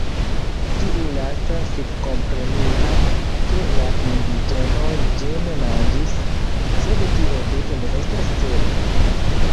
Tiu lasta subkomprenigas, ke la indiĝenoj ĝin manĝis, sed tio tute ne estas certa.